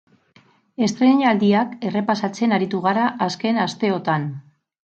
Estreinaldiak errepasatzen aritu gara azken asteotan.